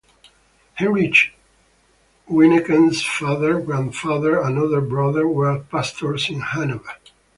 Heinrich Wyneken's father, grandfather, and one brother were pastors in Hanover.